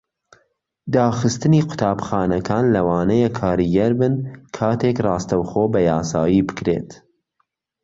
داخستنی قوتابخانەکان لەوانەیە کاریگەر بن کاتێک ڕاستەوخۆ بەیاسایی بکرێت.